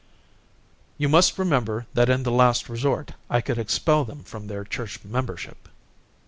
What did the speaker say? "You must remember that in the last resort I could expel them from their church membership."